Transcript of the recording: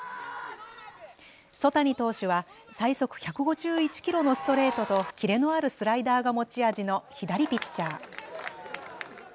曽谷投手は最速１５１キロのストレートと切れのあるスライダーが持ち味の左ピッチャー。